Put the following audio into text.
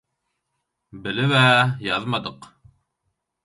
Bilib-ä ýazmadyk.